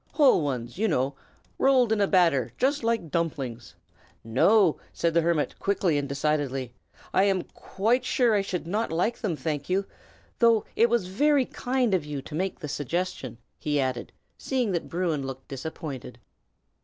"Whole ones, you know, rolled in a batter, just like dumplings?" "No!" said the hermit, quickly and decidedly. "I am quite sure I should not like them, thank you, though it was very kind of you to make the suggestion!" he added, seeing that Bruin looked disappointed.